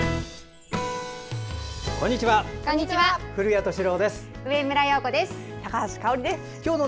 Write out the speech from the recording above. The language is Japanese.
こんにちは。